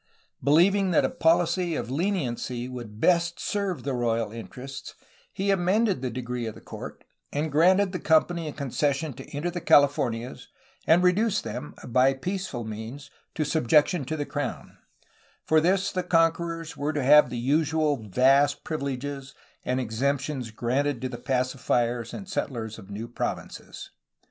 Believing that a policy of leniency would best serve the royal interests, he amended the decree of the court, and granted the company a concession to enter the Californias and reduce them by peaceful means to sub jection to the crown, for which the conquerors were to have the usual vast privileges and exemptions granted to the pacifiers and settlers of new provinces.